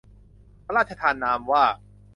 พระราชทานนามว่า